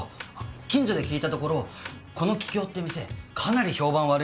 近所で聞いたところこの桔梗って店かなり評判悪いんですよ。